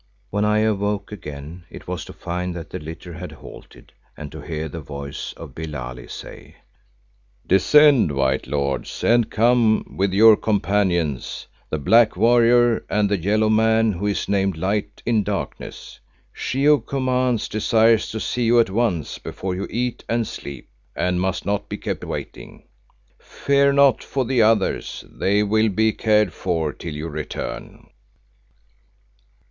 When I awoke again it was to find that the litter had halted and to hear the voice of Billali say, "Descend, White Lords, and come with your companions, the black Warrior and the yellow man who is named Light in Darkness. She who commands desires to see you at once before you eat and sleep, and must not be kept waiting. Fear not for the others, they will be cared for till you return."